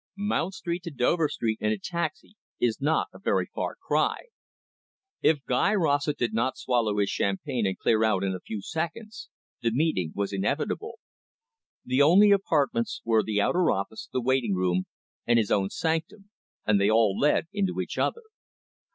Mount Street to Dover Street in a taxi is not a very far cry. If Guy Rossett did not swallow his champagne and clear out in a few seconds, the meeting was inevitable. The only apartments were the outer office, the waiting room, and his own sanctum, and they all led into each other.